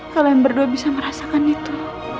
kalian berdua bisa merasakan itu